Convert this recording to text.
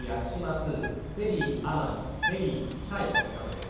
２フェリーあまみフェリーきかいなどです。